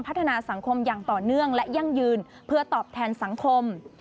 พัฒนาสังคมอย่างต่อเนื่องและยั่งยืนเพื่อตอบแทนสังคม